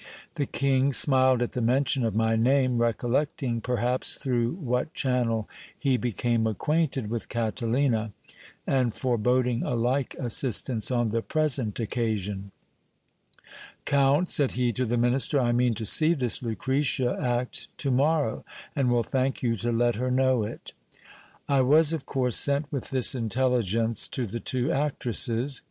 The king smiled at the mention of my name, recollecting, perhaps, through what channel he became acquainted with Catalina, and foreboding a like assistance on the present occasion. Count, said he to the minister, I mean to see this Lucretia act to morrow, and will thank you to let her know it. I was of course sent with this intelligence to the two actresses.